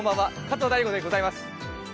加藤大悟でございます。